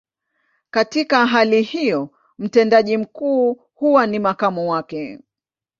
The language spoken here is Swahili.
Katika hali hiyo, mtendaji mkuu huwa ni makamu wake.